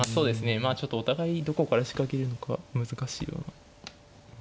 まあちょっとお互いどこから仕掛けるのか難しいような。